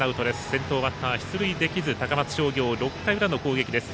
先頭バッター、出塁できず高松商業、６回の裏の攻撃です。